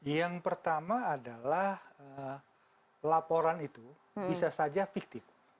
yang pertama adalah laporan itu bisa saja fiktif